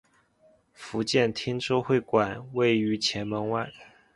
福建汀州会馆位于前门外。